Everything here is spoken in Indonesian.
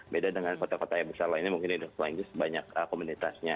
beda dengan kota kota yang besar lainnya mungkin di selainnya sebanyak komunitasnya